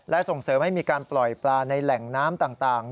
และส่งเสริมให้มีการปล่อยปลาในแหล่งน้ำต่าง